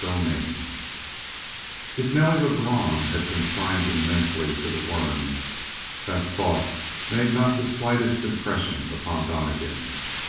31 If Nelly Lebrun had consigned him mentally to the worms, that thought made not the slightest impression upon Donnegan.